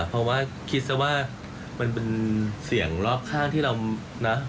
เพราะว่าคิดซะว่ามันเป็นเสียงรอบข้างที่เรานะ